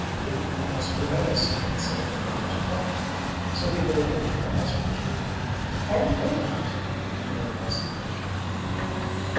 "Lou and Oscar met us and said they wanted to talk to him, so he rode over to Oscar's with them. Are you coming out?" Emil asked impatiently.